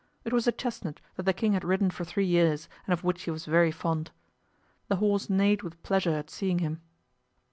It was a chestnut that the king had ridden for three years and of which he was very fond. The horse neighed with pleasure at seeing him.